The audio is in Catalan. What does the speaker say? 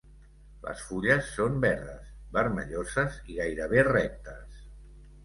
Les fulles són verdes, vermelloses i gairebé rectes.